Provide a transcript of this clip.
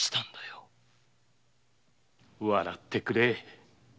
笑ってくれ。